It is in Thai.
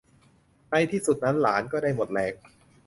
ในที่สุดนั้นหลานก็ได้หมดแรง